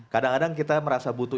kadang kadang kita merasa butuh